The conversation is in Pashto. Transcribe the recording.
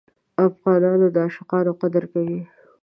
افغانان د عاشقانو قدر کوي.